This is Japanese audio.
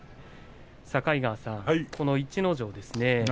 境川さん、この逸ノ城ですね